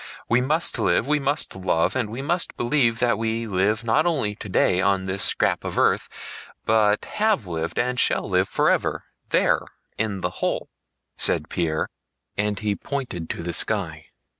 We must live, we must love, and we must believe that we live not only today on this scrap of earth, but have lived and shall live forever, there, in the Whole," said Pierre, and he pointed to the sky.